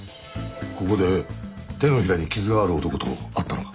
ここで手のひらに傷がある男と会ったのか？